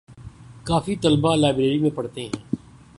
کافی طلبہ لائبریری میں پڑھتے ہیں